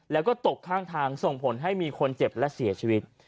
แล้วก็ตกข้างทางส่งผลให้มีคนเจ็บและเสียชีวิต